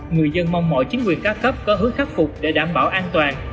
người dân mong mọi chính quyền các cấp có hướng khắc phục để đảm bảo an toàn